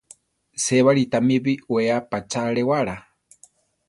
Sébari tami biʼwéa pachá alewála.